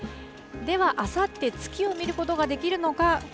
では、あさって、月を見ることができるのか。